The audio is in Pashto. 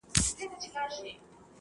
یارانو لوبه اوړي د اسمان څه به کوو؟.!